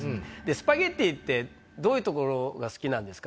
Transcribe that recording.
スパゲッティってどういうところが好きなんですか？